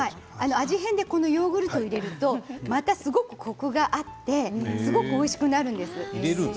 味変でヨーグルトを入れると、またすごくコクがあっておいしくなるんですよ。